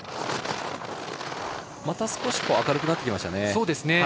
また明るくなってきました。